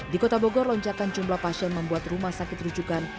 di kota bogor lonjakan jumlah pasien membuat rumah sakit rujukan